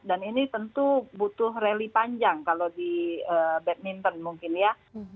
dan ini tentu butuh rally panjang kalau di badminton mungkin ya